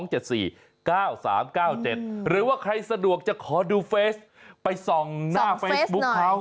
หรือว่าใครสะดวกจะขอดูเฟซไปส่องหน้าเฟซบุ๊คเขา